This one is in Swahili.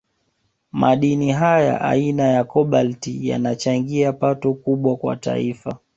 Madini haya aina ya Kobalti yanachangia pato kubwa kwa Taifa